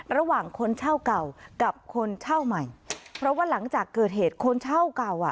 ระหว่างคนเช่าเก่ากับคนเช่าใหม่เพราะว่าหลังจากเกิดเหตุคนเช่าเก่าอ่ะ